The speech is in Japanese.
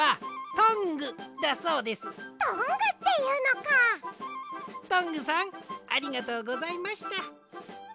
トングさんありがとうございました。